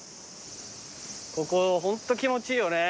ここホント気持ちいいよね。